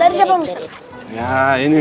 dari siapa mister